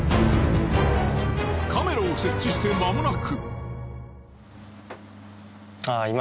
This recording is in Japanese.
カメラを設置してまもなく。